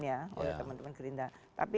ya oleh teman teman gerindra tapi